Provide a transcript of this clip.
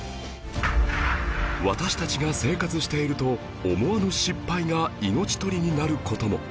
私たちが生活していると思わぬ失敗が命取りになる事も